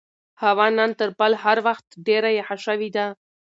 هوا نن تر بل هر وخت ډېره یخه شوې ده.